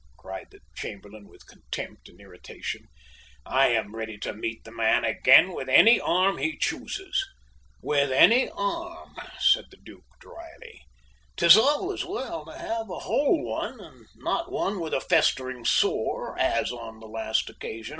cried the Chamberlain with contempt and irritation. "I am ready to meet the man again with any arm he chooses." "With any arm!" said the Duke dryly. "'Tis always well to have a whole one, and not one with a festering sore, as on the last occasion.